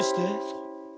そう。